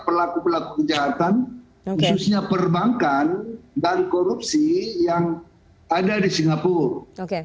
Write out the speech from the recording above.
pelaku pelaku kejahatan khususnya perbankan dan korupsi yang ada di singapura